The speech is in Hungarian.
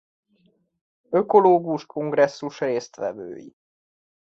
Ökológus Kongresszus résztvevői.